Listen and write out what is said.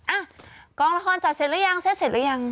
อ่ะกองละครจัดเสร็จหรือยังเซ็ตเสร็จหรือยัง